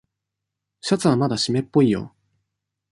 シャツまだしめっぽいよ。